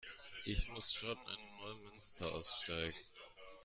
Ich muss schon in Neumünster aussteigen